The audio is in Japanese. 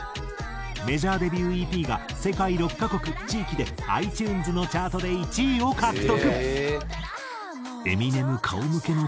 メジャーデビューＥＰが世界６カ国地域でｉＴｕｎｅｓのチャートで１位を獲得。